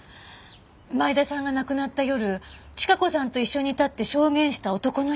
前田さんが亡くなった夜チカ子さんと一緒にいたって証言した男の人。